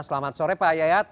selamat sore pak yayat